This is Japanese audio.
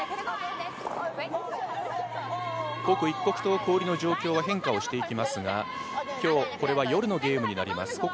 刻一刻と氷の状況は変化をしていきますが今日、これは夜のゲームになります。